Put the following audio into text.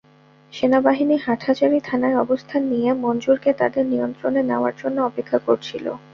সেনাবাহিনী হাটহাজারী থানায় অবস্থান নিয়ে মঞ্জুরকে তাদের নিয়ন্ত্রণে নেওয়ার জন্য অপেক্ষা করছিল।